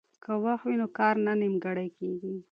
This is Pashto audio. که وخت وي نو کار نه نیمګړی کیږي.